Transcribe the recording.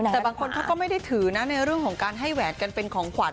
แต่บางคนเขาก็ไม่ได้ถือนะในเรื่องของการให้แหวนกันเป็นของขวัญ